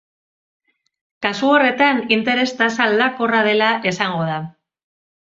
Kasu horretan interes-tasa aldakorra dela esango da.